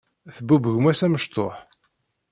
Tbubb gma-s amecṭuḥ.